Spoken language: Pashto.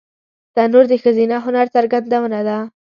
تنور د ښځینه هنر څرګندونه ده